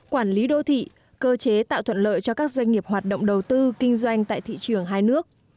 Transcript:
quản lý đô thị cơ chế tạo thuận lợi cho các doanh nghiệp hoạt động đầu tư kinh doanh tại thị trường hai nước